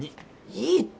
いいって。